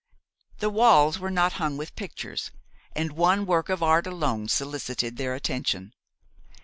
The walls were not hung with pictures, and one work of art alone solicited their attention.